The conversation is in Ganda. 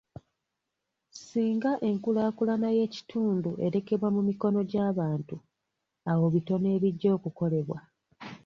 Singa enkulaakulana y'ekitundu erekebwa mu mikono gy'abantu, awo bitono ebijja okukolebwa.